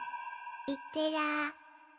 いってらー。